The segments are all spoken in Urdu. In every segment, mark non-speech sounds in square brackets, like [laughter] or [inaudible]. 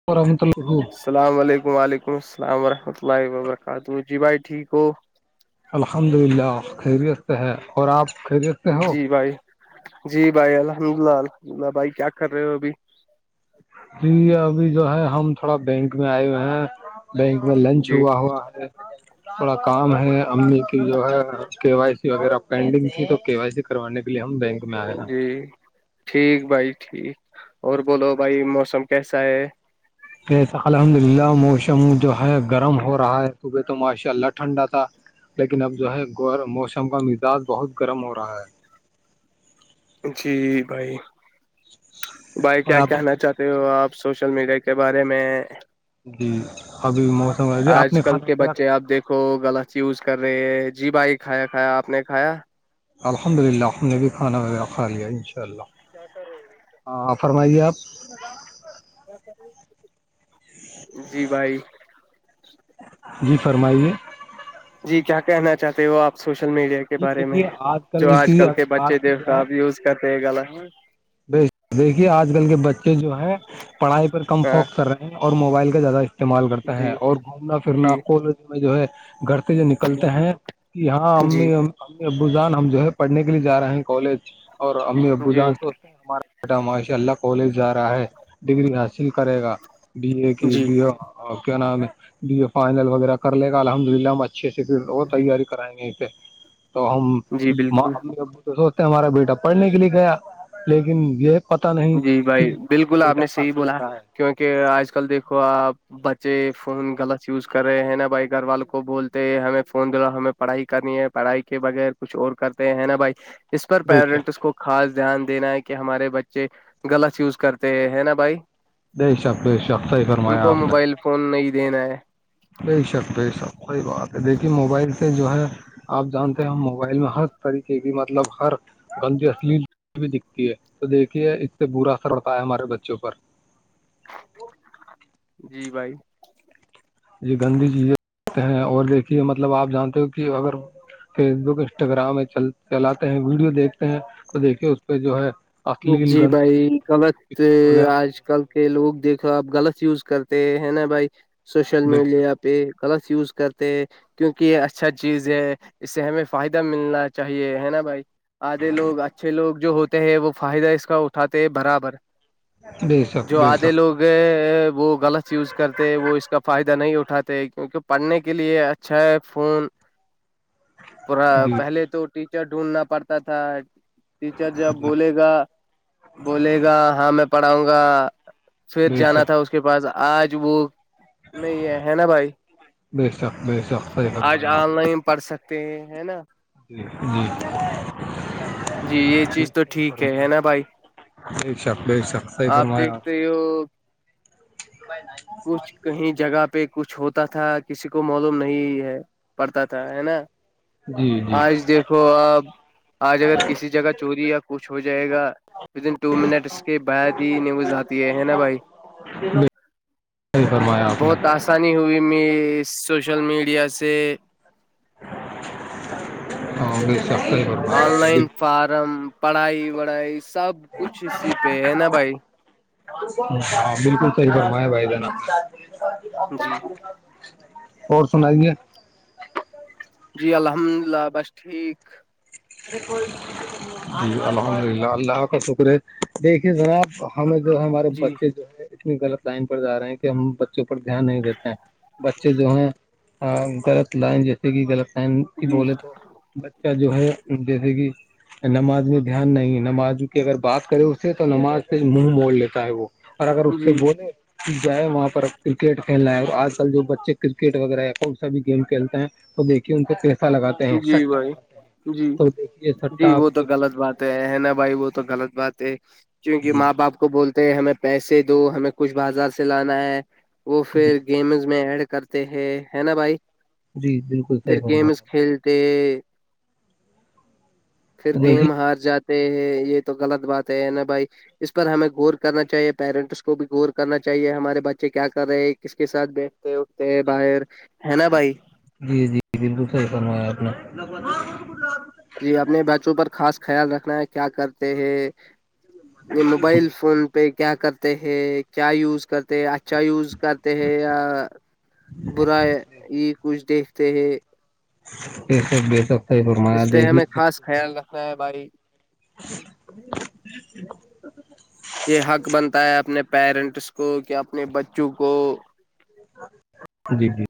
[unintelligible] السلام علیکم و علیکم السلام ورحمۃ اللہ و برکاتہ جی بھائی ٹھیک ہو الحمد للہ خیریت سے ہے اور آپ خیریت سے ہو جی بھائی جی بھائی الحمد اللہ الحمدلہ بھائی کیا کر رہے ہو ابھی جی ابھی جو ہے ہم تھوڑا بینک میں آئے ہوئے ہیں بینک میں لنچ جی ہوا ہوا ہے [inaudible] تھوڑا کام ہے امی کی جو ہے کے وائی سی وغیرہ پینڈنگ تھی تو کے وائی سی کروانے کے لیے ہم بینک میں آئے ہیں جی ٹھیک بھائی ٹھیک اور بولو بھائی موسم کیسا ہے جیس الحمد للہ موسم جو ہے گرم ہو رہا ہے توبے تو ماشاء اللہ ٹھنڈا تھا لیکن اب جو ہے گور موسم کا مزاج بہت گرم ہو رہا ہے جی بھائی بھائی اور کیا آپ کہنا چاہتے ہو آپ سوشل میڈیا کے بارے میں جی ابھی مو آج کل کے بچے آپ دیکھو غلط یوز کر رہے ہیں جی بھائی کھایا کھایا آپ نے کھایا الحمد للہ ہم نے بھی کھانا وا کھا لیا انشاء اللہ کیا کر رہے ہاں فرمائیے آپ جی بھائی جی فرمائیے جی کیا کہنا چاہتے ہو آپ سوشل میڈیا کے کے جی بارے میں دیکھیے جو آج کی کل اگر کے بچے بات کی دیکھ آپ یوز کرتے ہیں گل ب دیکھیے آج کل کے بچے جو ہے پڑھائی پر کم ہاں فوکس کر رہے ہیں اور موبائل کا زیادہ استعمال کرتا ہے جی اور گھومنا پھرنا جی قج میں جو ہے گھر سے جو جی نکلتے ہیں کہ یہاں جی امی امی ابو جان ہم جو ہے پڑھنے کے لیے جا رہے ہیں کالج اور امی ابو جی جان سو ار بیٹا ماشاء اللہ کالج جا رہا ہے ڈگری حاصل کرے گا بی اے کی جی بی کیا نام ہے بیے فائنل وغیرہ کر لے گا الحمد للہ اچھے سے وہ تیاری کرائیں گے یہ پہ تو ہم جی بالکل تو سوچتے ہیں ہمارا بیٹا پڑھنے کے لیے گیا لیکن یہ پتا نہیں جی کہ بھائی ہمارا بالکل آپ بیٹا نے صحیح کہاں جا بولا رہا ہے کیونکہ آج کل دیکھو آپ بچے فون غلط یوز کر رہے ہیں نا بھائی گھر وال کو بولتے ہمیں فون دا ہمیں پڑھائی کرنی ہے پڑھائی کے بغیر کچھ اور کرتے ہیں نا بھائی اس پر بے پیرنٹس شک کو خاص دھیان دینا ہے کہ ہمارے بچے غلط یوز کرتے ہے نا بھائی نہیںی شب کو شخصح ہی ان فرمایا کو آپ نے موبائل فون نہیں دینا ہے بے شک بے شک صحی بات ہے دیکھیے موبائل سے جو ہے آپ جانتے ہیں ہم موبائل میں ہر طریقے کی مطلب ہر گندتیی اصلی بھی دکھتی ہے تو دیکھیے اس سے برا اثر ہوتا ہے ہمارے بچوں پر جی بھائی یہ گندی چیز یہتے ہیں اور دیکھیے مطلب آپ جانتے ہو کہ اگر فیس بک انسٹاگرام میںل چلاتے ہیں ویڈیو دیکھتے ہیں تو دیکھیے اس پہ جو ہے اصلیل جی گندی بھائی غلط پکچر وغیرہ آج کل کہ لوگ دیکھو آپ غلط یوز کرتے ہے نا بھائی سوشل بے میڈیا شک پہ کلرس یوز کرتے ہیں کیونکہ یہ اچھا چیز ہے اس سے ہمیں فائدہ ملنا چاہیے ہے نا بھائی آدھے لوگ اچھے لوگ جو ہوتے ہیں وہ فائدہ اس کا اٹھاتے ہیں برابر بے شک جو بے آدھے شک لوگ وہ غلط یوز کرتے وہ اس کا فائدہ نہیں اٹھاتے کیونکہ پڑھنے کے لیے اچھا چھ فون [inaudible] پورا جی پہلے جی تو ٹیچر ڈھونڈنا پڑتا تھا ٹیچر جب جی بولے بولے گا ہاں میں پڑھاؤں گا سیر بے جانا شک تھا اس اس کے پاس آج وہ نہیں یہ ہے نا بھائی بے شک بے شک صحیح آج فرمایا آپ آن نے لائن پڑھ سکتے ہے نا جی جی جی یہ چیز تو جی صحیح ٹھیک ہے ہے نا فرمایا بھائی بے شک بے شک صحیح آپ دیکھتے ہو ہو ائے کچھ کہیں جگہ پہ کچھ ہوتا تھا کسی کو معلوم نہیں ہے پڑتا تھا ہے نا نے جی جی آج دیکھو آپ آج اگر کسی جگہ چوری یا کچھ ہو جائے گا ودن ٹو منٹس کے بعد ہی نیوز آتی ہے نا بھائی جی بہت آسانی ہوئی میں سوشل میڈیا سے اور گ آن لائن فارم پڑھائی وڑھائی سب کچھ اسی پہ ہے نا بھائی ہاں بالکل صحی فما ہے بھائی جناب جی اور سنا دیی ہیں جی الحمد للہ بس ٹھیک جی الحمد للہ اللہ کا شکر ہے دیکھیے جناب ہمیں جو ہے ہمارے جی بچے جو ہے اتنی غلط لائن پر جا رہے ہیں کہ ہم پر دھیان نہیں دیتے ہیں بچے جو ہیں غلط لائن جیسے کہ غلط ٹائم کی جی بولے تو بچہ جو ہے جیسے کہ نماز میں دھیان نہیں ہے نماز کی اگر بات کرے اس سے تو نماز پ منہ موڑ لیتا ہے وہ اور اگر اس سے جی بول جائے وہاں پر ا کرکٹ کھیلنا ہے اور آج کل جو بچے کرکٹ وغیرہ یا کون سا بھی گیم کھیلتے ہیں تو دیکھیے ان پ پیسہ لگاتے ہیں جی سٹا بھائی لگاتے ہیں جی تو دیکھیے جی سٹا وہ تو آپ غلط بات ہے نا بھائی وہ تو غلط بات ہے کیونکہ جی ماں باپ کو بولتے ہمیں پیسے دو ہمیں کچھ بازار سے لانا ہے وہ جی پھر گیمز میں ایڈ کرتے ہے ہے نا بھائی جی بالکل پھر صحی فم گیمز کھیلتے پھر دیکھیے گیم ہار جاتے ہیں یہ تو غلط بات ہے نا بھائی اس پر ہمیں غور کرنا چاہیے پیرنٹس کو بھی غور کرنا چاہیے ہمارے بچے کیا کر رہے کس کے ساتھ بھی اتے اھتے باہر ہے نا بھائی بد سے فنوایا اپنا ہاں آ جی اپنے بچوں پر خاص خیال رکھنا ہے کیا کرتے ہیں یہ موبائل فون پہ کیا کرتے ہیں کیا یوز کرتے ہیں اچھا یوز کرتے ہیں یا برا یہ کچھ دیکھتے ہیں یہ سب یہ سب اس پہ ہمیں خاص خیال رکھنا ہے بھائی [unintelligible] یہ حق بنتا ہے اپنے پیرنٹس کو کہ اپنے بچوں کو جی جی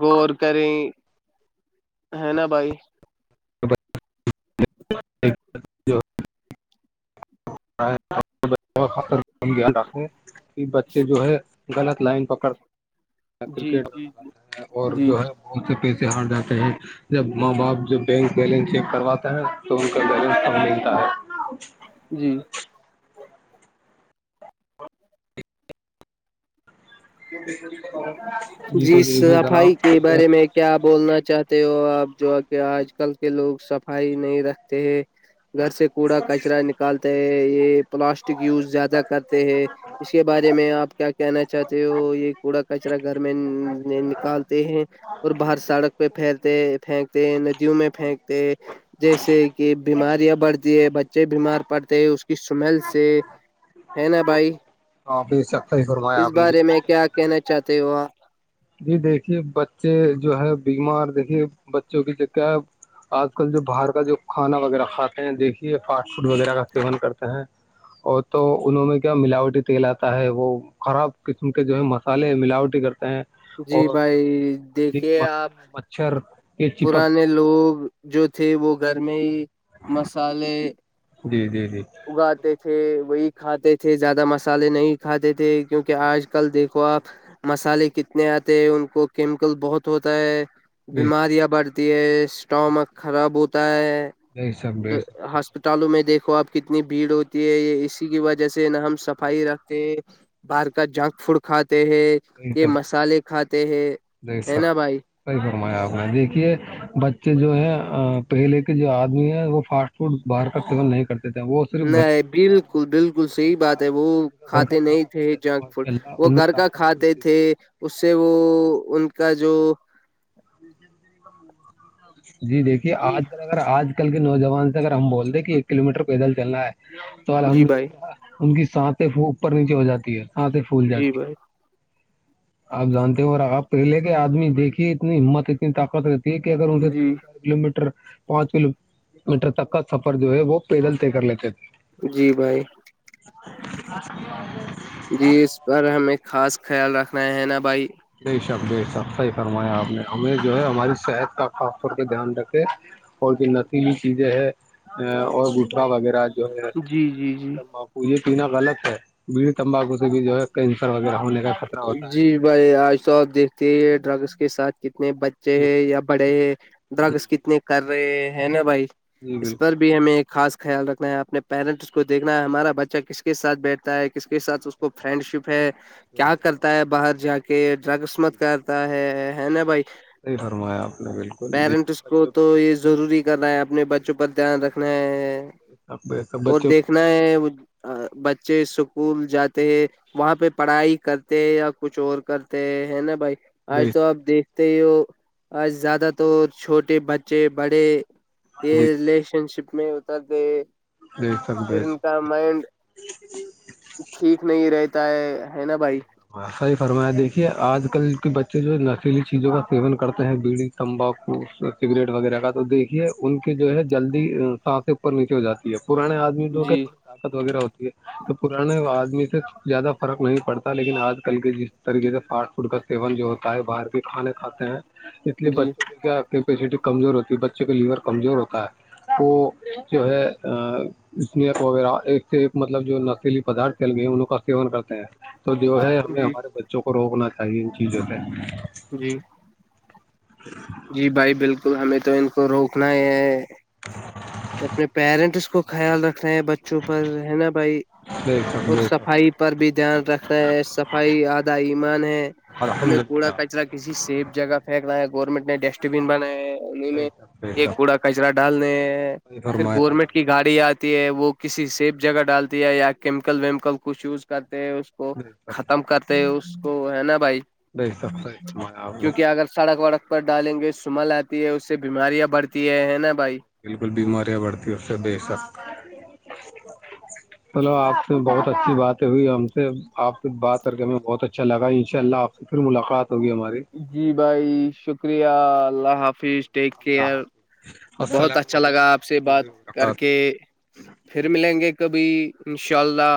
گور کریں ہے نا بھائی جو رکھیں کہ بچے جو ہے غلط لائن پکڑ کرکٹ جی جی لگاتا ہیں اور جی جو ہے بت سے پیسے ہار جاتے ہیں جب ماں باپ جو بینک بیلنس چیک کرواتے ہیں تو ان کا بیلنس کب ملتا ہے جی [unintelligible] جی دیکھیے جناب صفائی کے جو ہے بارے میں کیا بولنا چاہتے ہو آپ جو کہ آج کل کے لوگ صفائی نہیں رہ گھر سے کوڑا کچرا ن نکالتے ہے یہ پلاسٹک یوز زیادہ کرتے ہے اس کے بارے میں آپ کیا کہنا چاہتے ہو یہ کوڑا کچرا گھر میں نکالتے ہیں اور باہر سڑک پہ پھیرتے پھینکتے ندیوں میں پھینکتے جیسے کہ بیماریاں بڑھتی ہے بچے بیمار پڑتے ہیں اس کی سمیل سے ہے نا بھائی ہاں بییسا اس بارے میں کیا کہنا چاہتے ہو آپ جی دیکھیے بچے جو ہے بیمار دیکھیے بچوں کی جگ کیا آج کل جو باہر کا جو کھانا وغیرہ کھاتے ہیں دیکھیے فاسٹ فوڈ وغیرہ کا سیون کرتے ہیں اور تو انوں میں کیا ملاوٹی تیل آتا ہے وہ خراب قسم کے جو ہے م سالے ملاوٹٹی کرتے ہیں جی اور بھائی دیکھیے آپ چر یہ چپک پرانے لوگ جو تھے وہ گھر میں ہی مسالے جی جی جی اگاتے تھے وہی کھاتے تھے زیادہ مسالے نہیں کھاتے تھے کیونکہ آج کل دیکھو آپ مسالے کتنے آتے ہیں ان کو کیمیکل بہت ہوتا ہے بے شک بیماریاں بڑھتی ہے اسٹامک خراب ہوتا ہے بے شک بے شک اسپتالوں میں دیکھو آپ کتنی بھیڑ ہوتی ہے اسی کی وجہ سے نہا ہم صفائی رکھتے باہر کا جنک فوڈ کھاتے ہے یہی یہ سب مسالے کھاتے ہیں جی ہے سر نا بھائی صحیح فرمایا آپ نے دیکھیے بچے جو ہے پہلے کے جو آدمی ہے وہ فاسٹ فوڈ باہر کا سون نہیں کرتے تھے وہ صرف گھر کے نہیں ہی بالکل بالکل کھانا گھر صحیح کا بات ہے وہ مطلب گھر کا کھاتے نہیں کھانا تھے کھاتے جنک ف ماشاء اللہ وہ ان میں گھر کا طاقت بھی کھاتے ہوتی تھے تھی اس سے وہ ان کا جو جی دیکھیے جی، آجذرا اگر آج کل کے نوجوان سے اگر ہم بولتے ہیں کہ ایک کلو میٹر پیدل چلنا ہے تو جی بھائی، الحمدلہ ان کی ساتھیں اوپر نیچے ہو جاتی ہے ساتھیں پھول جی جاتی ہے بھائی، آپ جانتے ہو رہا آپ پہلے کے آدمی دیکھیے اتنی ہمت اتنی طاقت رہتی ٹھیک اوں سےھیک جی ہے کلو میٹر پانچ کلو میٹر تک کا سفر جو ہے وہ پیدل طے کر لیتے تھے جی بھائی آس آ جی اس پر ہمیں خاص خیال رکھنا ہے نا بھائی نہیں شب صحی فرمایا آپ نے ہمیں جو ہے ہماری صحت کا خاص طور پہ دھیان رکھے اور کہ نسلی چیزیں ہے اور گٹا وغیرہ جو ہے جی جی جی یہ پینا غلط ہے بیڑی تمباکو سے بھی جو ہے کینسر وغیرہ ہونے کا خطرہ ہوتا جی ہے بھائی آج تو آپ دیکھتے ہیں ڈرگس کے ساتھ کتنے ب بچے جی ہے یا بڑے ہیں جی ڈرگس کتنے کر رہے ہیں نا بھائی جی اس بالکل پر بھی ہمیں ایک خاص خیال رکھنا ہے آ اپنے پیرنٹس کو دیکھنا ہے ہمارا بچہ کس کے سھ بیٹھ کس کے ساتھ اس کو فرینڈ شپ ہے صحیح صحیح تا ہے باہر جا کے ڈرگس مت کرتا ہے ہے نا بھائی فرمایا آپ نے بالکل دیکھیے پیرنٹس کو بچوں پہ تو دھیان یہ ضروری کرنا ہے اپنے بچوں پر دھیان رکھنا ہے آپ ب اور بچ دیکھنا بچے اسکول جاتے ہیں وہاں پہ پڑھائی کرتے یا کچھ اور کرتے ہے نا بھائی آج بے تو آپ دیک ت آج زیادہ تور چھوٹے بچے بڑے جی یہ ریلیشن شپ میں اترتے بے شک پھر بے ان شک کا مائڈ ٹھیک نہیں رہتا ہے نا ب فرما صحیح فرمایا دیکھیے آج کل کے بچے جو نشیلی چیزوں کا سیون کرتے ہیں بیڑی تمباکو سگریٹ وغیرہ کا تو دیکھیے ان کی جو ہے جلدی ساس سے اوپر نیچے ہو جاتی ہے پرانے آدمی تھوڑی جی طاقت وغیرہ ہوتی ہے تو پرانے آدمی سے زیادہ فرق نہیں پڑتا لیکن آج کل کے جس طریقے سے فاسٹ فوڈ کا سیون جو ہوتا ہے باہر کے کھانے کھے ہیں استنے جی بچوں کیا کیپیسٹی کمزور ہوتی ہے بچوں کا لیور کمزور ہوتا ہے وہ جو ہے اسنیک وغیرہ ایک سے ایک مطلب جو نشیلی پدارھ تل ہو ہیں انوں کا سیون کرتے ہیں تو جو ہے ہم نے جی ہمارے بچوں کو روکنا چاہیے ان چیزوں پہ جی [unintelligible] جی بھائی بالکل ہمیں تو ان کو روکنا ہی ہے [unintelligible] اپنے پیرنٹس کو خیال رکھے ہیں بچوں پر ہے نا بھائی دیک س اور بیک صفائی پر بھی دھیان رکھنا ہے صفائی آدھا ایمان ہے الحمد ہمیں کوڑا للہ کچرا کسی سیب جگہ پھینک رہا ہے گورنمنٹ نے ڈسٹ بین بنایا ہے انیں بے میں شک بے ایک شک کوڑا کچرا ڈالنے صحیح پھر فرمایا آپ گورنمنٹ کی گاڑی آتی ہے وہ کسی سیف جگہ ڈالتی ہے یا کیمیکل ویمیکل کچھ یوز کرتے ہیں کو نے بے شک ختم کرتے اس کو ہے نا بھائی بے شک صحیح فرمایا آپ نے کیونکہ اگر سڑک وڑک پر ڈالیں گے شمل آتی ہے اس سے بیماریاں بڑھتی ہے ہے نا بھائی بالکل بیماریاں بڑھتی اس سے بے شک چلو آپ سے بہت اچھی باتیں ہوئی ہم سے آپ سے بات کر کے ہمیں بہت اچھا لگا ان شاء اللہ آپ سے پھر ملاقات ہوگی ہماری جی بھائی شکریہ اللہ حافظ ٹیک اللہ کیئر حافظ بہت السلام اچھا علیکم لگا آپ ورحمۃ سے بات اللہ کر کے وبرکاتہ پھر ملیں گے کبھی انشاء اللہ